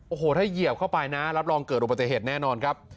โอ้โหถ้าเหยียบเข้าไปนะรับรองเกิดอุบัติเหตุแน่นอนครับ